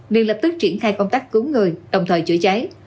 ngay lập tức triển khai công tác cứu người đồng thời chữa cháy